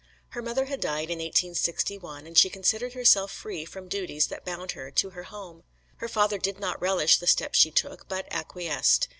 Her mother had died in 1861, and she considered herself free from duties that bound her to her home. Her father did not relish the step she took, but acquiesced.